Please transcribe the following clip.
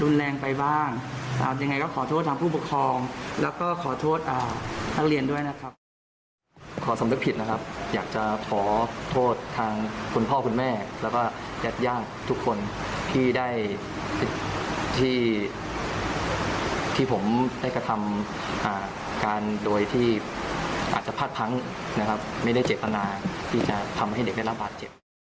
แล้วผมจะยากทุกคนที่ได้ที่ผมได้กระทำการโดยที่อาจจะพัดพังนะครับไม่ได้เจ็บตนาที่จะทำให้เด็กได้รับบาดเจ็บ